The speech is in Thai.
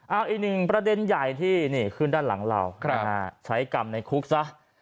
เอาอีกหนึ่งประเด็นใหญ่ที่นี่ขึ้นด้านหลังเราใช้กรรมในคุกซะ